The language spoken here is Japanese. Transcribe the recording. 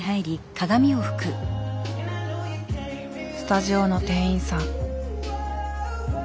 スタジオの店員さん。